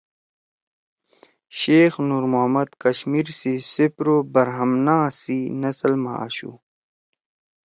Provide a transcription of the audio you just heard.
شیخ نورمحمد کشمیر سی سپرو برہمنا سی نسل ما آشُو